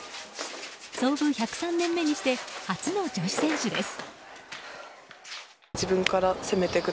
創部１０３年目にして初の女子選手です。